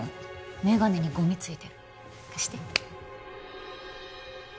眼鏡にゴミついてる貸して